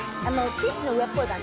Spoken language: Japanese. ティッシュの上っぽい感じ。